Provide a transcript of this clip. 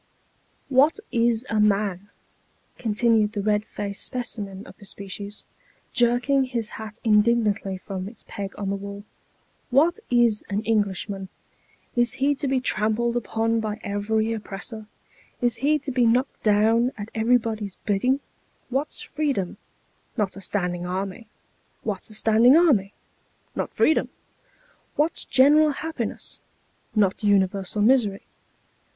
" What is a man ?" continued the red faced specimen of the species, jerking his hat indignantly from its peg on the wall. " What is an Englishman? Is he to be trampled upon by every oppressor? Is lie to be knocked down at everybody's bidding ? What's freedom ? Not a standing army. What's a standing army? Not freedom. What's general happiness ? Not universal misery.